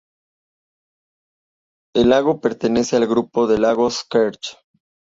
El lago pertenece al grupo de lagos Kerch.